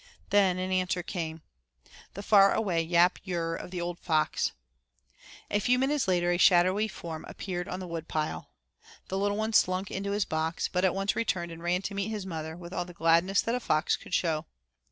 Then an answer came. The far away Yap yurrr of the old fox. A few minutes later a shadowy form appeared on the wood pile. The little one slunk into his box, but at once returned and ran to meet his mother with all the gladness that a fox could show.